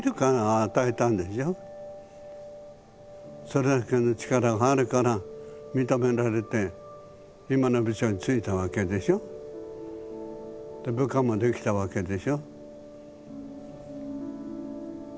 それだけの力があるから認められて今の部署に就いたわけでしょ？で部下もできたわけでしょ？